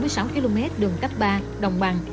nguyên mô bốn mươi sáu km đường cấp ba đồng bằng